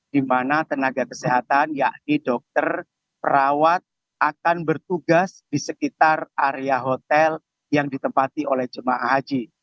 di mana tenaga kesehatan yakni dokter perawat akan bertugas di sekitar area hotel yang ditempati oleh jemaah haji